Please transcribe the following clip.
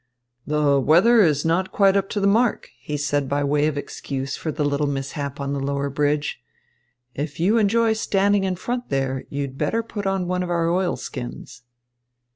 "The weather is not quite up to mark," he said by way of excuse for the little mishap on the lower bridge. "If you enjoy standing in front there, you'd better put on one of our oilskins."